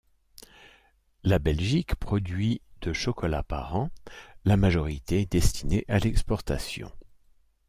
La Belgique produit de chocolat par an, la majorité destiné à l'exportation.